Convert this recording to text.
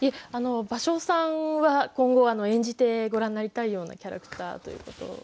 芭蕉さんは今後演じてごらんになりたいようなキャラクターということ。